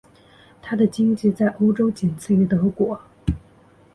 她的经济在欧洲仅次于德国。